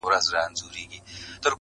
نه مي قسمت، نه مي سبا پر ژبه زېرئ لري!